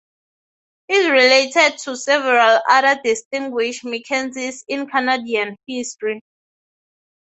He is related to several other distinguished MacKenzies in Canadian history.